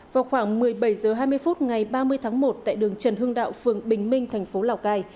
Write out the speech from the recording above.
vào khoảng một mươi bảy h hai mươi phút ngày ba mươi tháng một tại đường trần hưng đạo phường bình minh thành phố lào cai